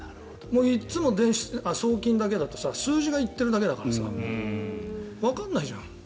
いつも送金だけだと数字が行っているだけだからさわかんないじゃん。